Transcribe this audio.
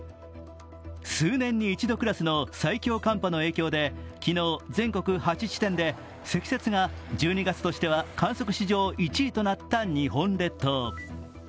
数年に一度クラスの最強寒波の影響で昨日、全国８地点で積雪が１２月としては観測史上１位となった日本列島。